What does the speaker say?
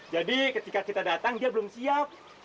jadi ketika kita datang dia belum siap